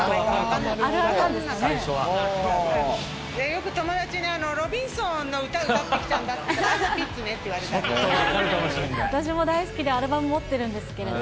よく友達にロビンソンの歌、歌ってきたんだって言ったら、私も大好きでアルバム持ってるんですけど。